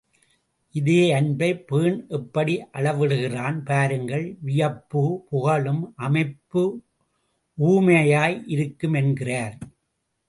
இதே அன்பை போர்ன் எப்படி அளவிடுகிறான் பாருங்கள் வியப்பு புகழும், அன்பு ஊமையாய் இருக்கும் என்கிறார்!